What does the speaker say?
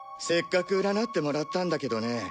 せっかく占ってもらったんだけどね。